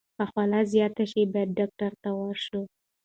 که خوله زیاته شي، باید ډاکټر ته ورشو.